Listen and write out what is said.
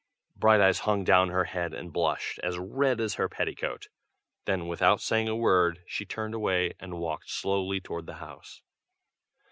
Brighteyes hung down her head and blushed as red as her petticoat: then, without saying a word, she turned away, and walked slowly toward the house.